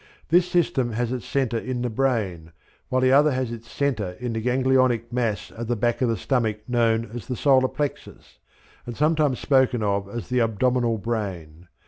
This system has its centre in the brain, while the other has its centre in a ganglionic mass at the back of the stomach known as the solar plexus, and sometimes spoken of as the abdominal brain.